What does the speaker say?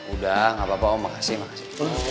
udah gak apa apa om makasih makasih